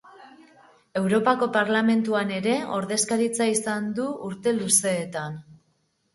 Europako Parlamentuan ere ordezkaritza izan du urte luzeetan.